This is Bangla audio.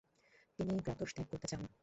তিনি গ্রাৎস ত্যাগ করতে চান।